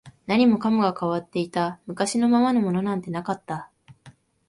何もかもが変わっていた、昔のままのものなんてなかった